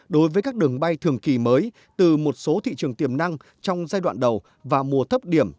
đối với các đường bay thường kỳ mới từ một số thị trường tiềm năng trong giai đoạn đầu và mùa thấp điểm